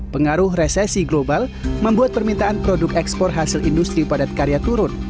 pengaruh resesi global membuat permintaan produk ekspor hasil industri padat karya turun